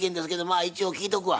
あ一応聞いとくわ。